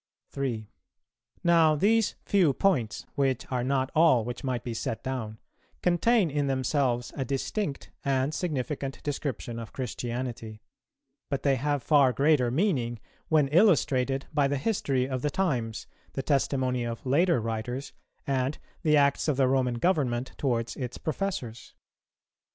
3. Now these few points, which are not all which might be set down, contain in themselves a distinct and significant description of Christianity; but they have far greater meaning when illustrated by the history of the times, the testimony of later writers, and the acts of the Roman government towards its professors.